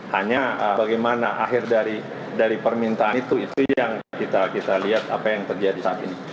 hanya bagaimana akhir dari permintaan itu itu yang kita lihat apa yang terjadi saat ini